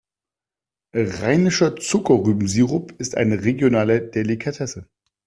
Rheinischer Zuckerrübensirup ist eine regionale Delikatesse.